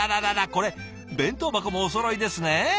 これ弁当箱もおそろいですね。